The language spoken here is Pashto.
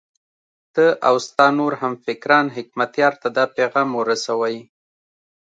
ته او ستا نور همفکران حکمتیار ته دا پیغام ورسوئ.